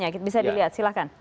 iya bisa dilihat silahkan